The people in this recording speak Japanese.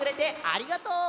ありがとう！